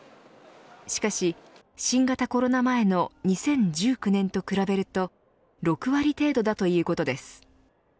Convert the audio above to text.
しかし、新型コロナ前の２０１９年と比べると６割程度だということです。